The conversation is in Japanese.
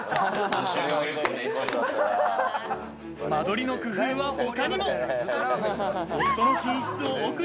間取りの工夫は他にも。